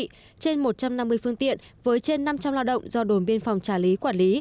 trên một trăm năm mươi phương tiện với trên năm trăm linh lao động do đồn biên phòng trà lý quản lý